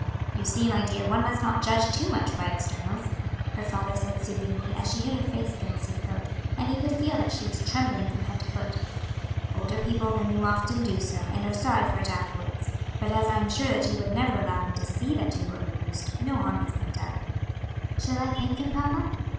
"You see, my dear, one must not judge too much by externals," her father said soothingly as she hid her face against his coat, and he could feel that she was trembling from head to foot. "Older people than you often do so, and are sorry for it afterwards; but as I am sure that you would never allow him to see that you were amused no harm has been done." "Shall I thank him, papa?"